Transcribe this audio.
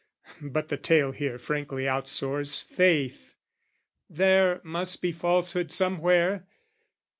but the tale here frankly outsoars faith: There must be falsehood somewhere.